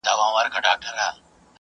هغې وویل چې درملنه یې ستونزمنه وه.